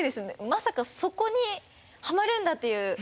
まさかそこにハマるんだっていう。